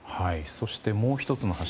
そして、もう１つの柱